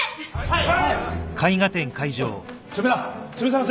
はい！